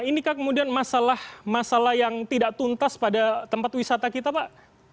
inikah kemudian masalah masalah yang tidak tuntas pada tempat wisata kita pak